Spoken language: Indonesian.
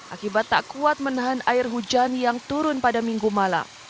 akibat tak kuat menahan air hujan yang turun pada minggu malam